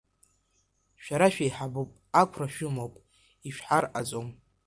Шәара шәеиҳабуп, ақәра шәымоуп, ишәҳарҟаҵом.